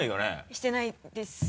してないですね。